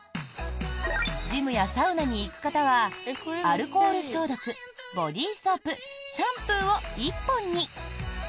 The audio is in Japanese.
ジムやサウナに行く方はアルコール消毒、ボディーソープシャンプーを１本に。